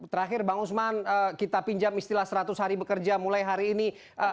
terakhir bang usman kita pinjam istilah seratus hari bekerja mulai hari ini